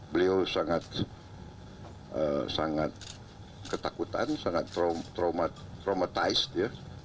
beliau sangat ketakutan sangat traumatized ya